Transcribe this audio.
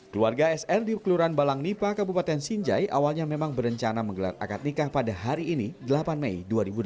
keluarga sr di kelurahan balangnipa kabupaten sinjai awalnya memang berencana menggelar akad nikah pada hari ini delapan mei dua ribu delapan belas